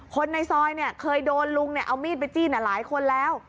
คนในซอยเนี่ยเคยโดนลุงเอามีดไปจี้หลายคนแล้ว